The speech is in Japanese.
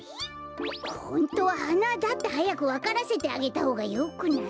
ホントははなだってはやくわからせてあげたほうがよくない？